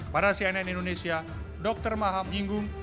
pada cnn indonesia dr maha menyinggung